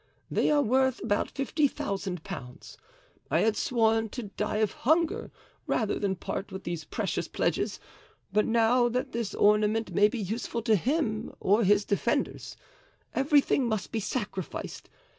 They are worth about fifty thousand pounds. I had sworn to die of hunger rather than part with these precious pledges; but now that this ornament may be useful to him or his defenders, everything must be sacrificed.